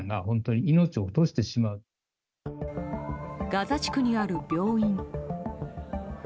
ガザ地区にある病院。